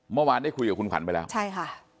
เมื่อวานได้คุยกับคุณขวัญไปแล้วใช่ค่ะ